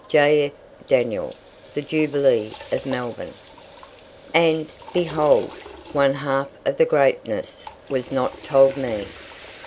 J. F. DANIELL, "The Jubilee of Melbourne." "And, behold, one half of the greatness was not told me."